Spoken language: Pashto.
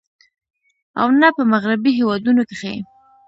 او نۀ په مغربي هېوادونو کښې